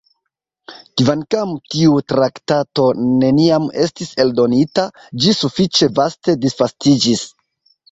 Kvankam tiu traktato neniam estis eldonita, ĝi sufiĉe vaste disvastiĝis.